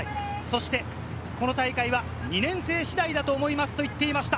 そしてこの大会は２年生次第だと思いますと言っていました。